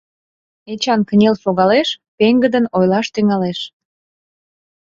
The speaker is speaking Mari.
Эчан кынел шогалеш, пеҥгыдын ойлаш тӱҥалеш: